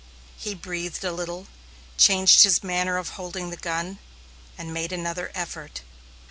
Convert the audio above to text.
He breathed a little, changed his manner of holding the gun, and made another effort.